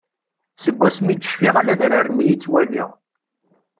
Seg asmi d-cfiɣ ala adrar-nni i ttwaliɣ.